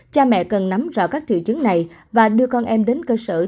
cha mẹ cần nắm rõ các triệu chứng này và đưa con em đến cơ sở